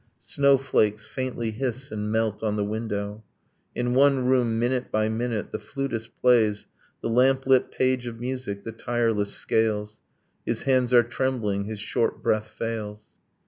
Snow flakes faintly hiss and melt on the window. In one room, minute by minute, the flutist plays The lamplit page of music, the tireless scales. His hands are trembling, his short breath fails.